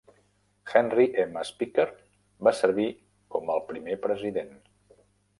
Henry M. Speaker va servir com el primer president.